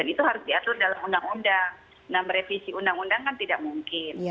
nah untuk undang undang nah merevisi undang undang kan tidak mungkin